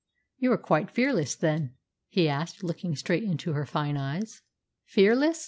"You are quite fearless, then," he asked, looking straight into her fine eyes. "Fearless?